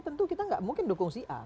tentu kita nggak mungkin dukung si a